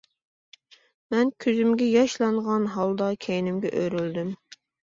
مەن كۆزۈمگە ياشلانغان ھالدا كەينىمگە ئۆرۈلدۈم.